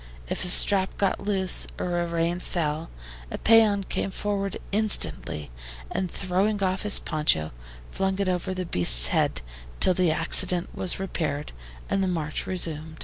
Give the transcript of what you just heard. If a strap got loose, or a rein fell, a PEON came forward instantly, and throwing off his poncho, flung it over his beast's head till the accident was repaired and the march resumed.